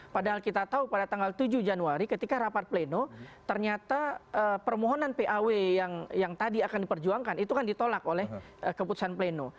padahal kita tahu pada tanggal tujuh januari ketika rapat pleno ternyata permohonan paw yang tadi akan diperjuangkan itu kan ditolak oleh keputusan pleno